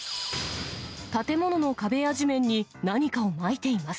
建物の壁や地面に何かをまいています。